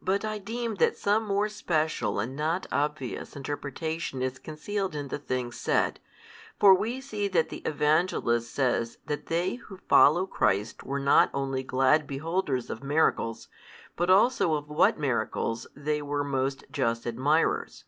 But I deem that some more special and not obvious interpretation is concealed in the things said. For we see that the Evangelist says that they who followed Christ were not only glad beholders of miracles, but also of what miracles they were most just admirers.